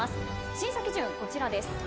審査基準こちらです。